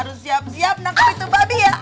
harus siap siap menangkap itu babi ya